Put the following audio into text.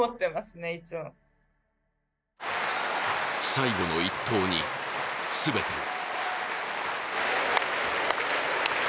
最後の１投に全てを。